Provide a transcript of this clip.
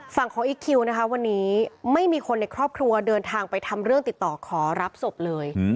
ฝั่งของอีคคิวนะคะวันนี้ไม่มีคนในครอบครัวเดินทางไปทำเรื่องติดต่อขอรับศพเลย